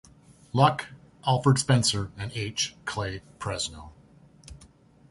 Luck, Alfred Spencer and H. Clay Presnell.